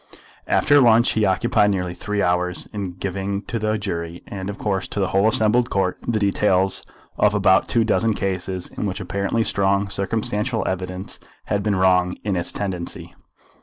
After lunch he occupied nearly three hours in giving to the jury, and of course to the whole assembled Court, the details of about two dozen cases, in which apparently strong circumstantial evidence had been wrong in its tendency.